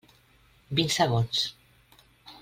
Vint segons.